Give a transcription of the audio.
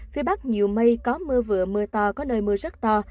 phía bắc nhiều mây có mưa vừa mưa to có nơi mưa rất to